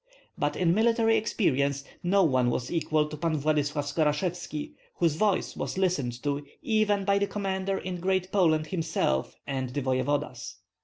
But in military experience no one was equal to Pan Vladyslav Skorashevski, whose voice was listened to even by the commander in Great Poland himself and the voevodas.